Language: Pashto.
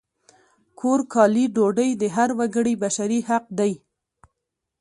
کور، کالي، ډوډۍ د هر وګړي بشري حق دی!